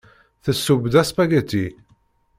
Tesseww-d aspagiti.